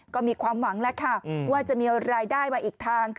ก็มีความหวังแล้วค่ะว่าจะมีรายได้มาอีกทาง